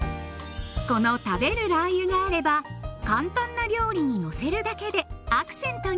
この食べるラー油があれば簡単な料理にのせるだけでアクセントに。